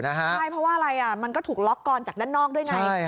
ใช่เพราะว่าอะไรมันก็ถูกล็อกกอนจากด้านนอกด้วยไง